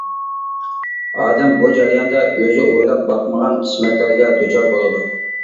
ئادەم بۇ جەرياندا ئۆزى ئويلاپ باقمىغان قىسمەتلەرگە دۇچار بولىدۇ.